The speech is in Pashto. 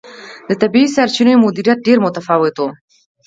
د طبیعي سرچینو مدیریت ډېر متفاوت و.